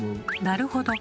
「なるほど」。